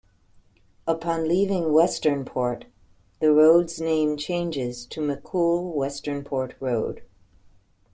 Upon leaving Westernport, the road's name changes to McCoole-Westernport Road.